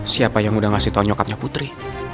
siapa yang udah ngasih tau coklatnya putri